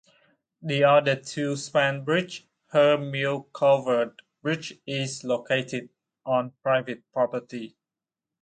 The other two-span bridge, Herr's Mill Covered Bridge, is located on private property.